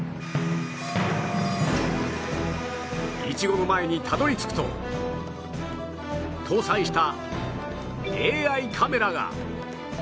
イチゴの前にたどり着くと搭載した ＡＩ カメラが